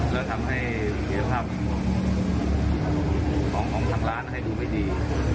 แล้วทำให้เสียภาพของทางร้านให้ดูไม่ดี